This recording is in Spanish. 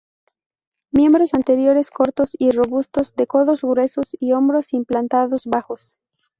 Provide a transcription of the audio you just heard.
Miembros anteriores cortos y robustos de codos gruesos y hombros implantados bajos.